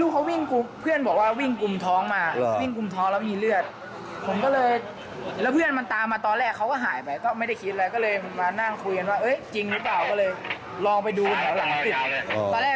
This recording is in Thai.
เขาก็บอกมาว่าอย่ายิงผมอะไรอย่างนี้